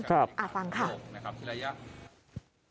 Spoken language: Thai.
ครับครับครับอ่าฟังค่ะที่ระยะ